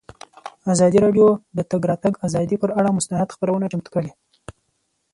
ازادي راډیو د د تګ راتګ ازادي پر اړه مستند خپرونه چمتو کړې.